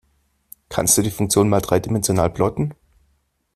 Kannst du die Funktion mal dreidimensional plotten?